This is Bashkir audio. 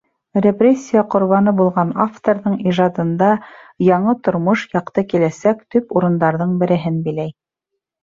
Репрессия ҡорбаны булған авторҙың ижадында яңы тормош, яҡты киләсәк төп урындарҙың береһен биләй.